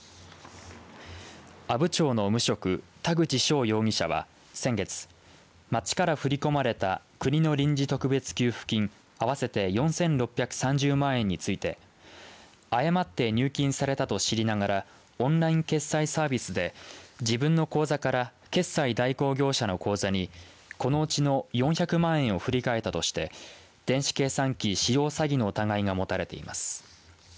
阿武町の無職、田口翔容疑者は先月、町から振り込まれた国の臨時特別給付金合わせて４６３０万円について誤って入金されたと知りながらオンライン決済サービスで自分の口座から決済代行業者の口座にこのうちの４００万円を振り替えたとして電子計算機使用詐欺の疑いが持たれています。